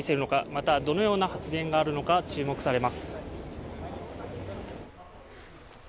また、どのような発言があるのか注目されます。